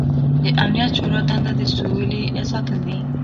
د امنیت د شورا دنده د سولې ساتل دي.